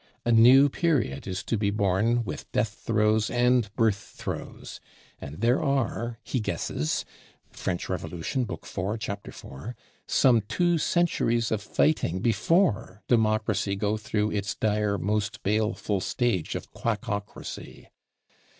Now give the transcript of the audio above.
A new period is to be born with death throes and birth throes, and there are, he guesses ('French Revolution,' Book iv., chapter 4), some two centuries of fighting before "Democracy go through its dire, most baleful stage of 'Quackocracy.'"